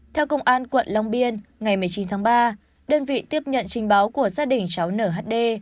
theo công an quận long biên ngày một mươi chín tháng ba đơn vị tiếp nhận trình báo của gia đình cháu nhd